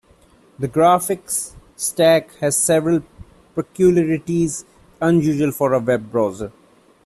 The graphics stack has several peculiarities unusual for a web browser.